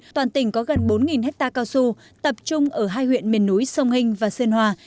toàn tỉnh có gần bốn hectare cao su tập trung ở hai huyện miền núi sông hình và sơn hòa